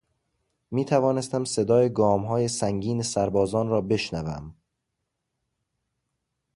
میتوانستم صدای گامهای سنگین سربازان را بشنوم.